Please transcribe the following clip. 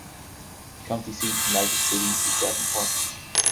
The county seat and largest city is Davenport.